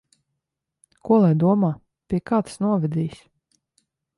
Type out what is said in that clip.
Ko lai domā? Pie kā tas novedīs?